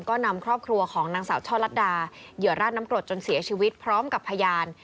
ก็นำครอบครัวของนางสาวช่อลัดดาเหยื่อราดน้ำกรดจนเสียชีวิตพร้อมกับพยาน